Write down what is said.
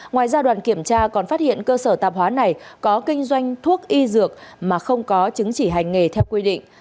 ngoài ra đoàn kiểm tra còn phát hiện cơ sở tạp hóa này có kinh doanh thuốc y dược mà không có chứng chỉ hành nghề theo quy định